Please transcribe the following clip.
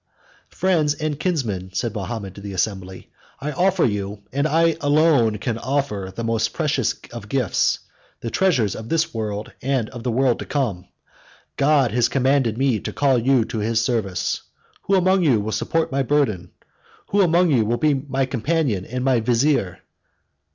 "Friends and kinsmen," said Mahomet to the assembly, "I offer you, and I alone can offer, the most precious of gifts, the treasures of this world and of the world to come. God has commanded me to call you to his service. Who among you will support my burden? Who among you will be my companion and my vizier?"